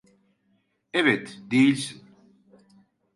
Evet, değilsin.